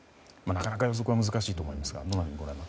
なかなか予測は難しいと思いますが。